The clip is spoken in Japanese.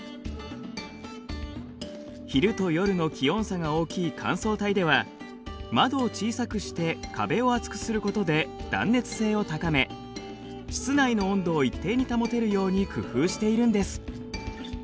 昼と夜の気温差が大きい乾燥帯では窓を小さくして壁を厚くすることで断熱性を高め室内の温度を一定に保てるように工夫しているんです。